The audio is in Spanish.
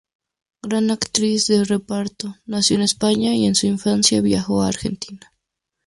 Gran actriz de reparto, nació en España y en su infancia viajó a Argentina.